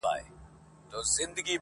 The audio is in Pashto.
زما هغـه ســـترگو ته ودريـــږي